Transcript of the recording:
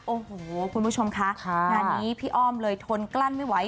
โอ้โหคุณผู้ชมคะงานนี้พี่อ้อมเลยทนกลั้นไม่ไหว